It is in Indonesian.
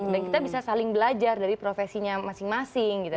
dan kita bisa saling belajar dari profesinya masing masing gitu